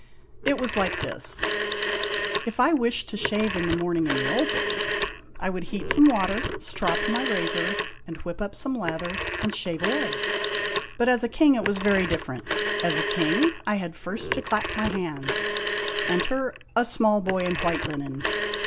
It was like this : If I wished to shave in the morning in the old days, I would :.. "ENTER A SMALL BOY IN WHITE LINEN."' heat some water, strop my razor and whip up some lather, and shave away ; but as a king it was very different. As a king, I had first to clap my hands. Enter a small boy in white linen.